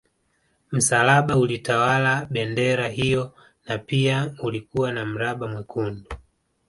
Msalaba ulitawala bendera hiyo na pia ulikuwa na mraba mwekundu